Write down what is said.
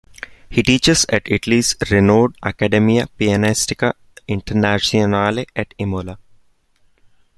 He teaches at Italy's renowned Accademia Pianistica Internazionale at Imola.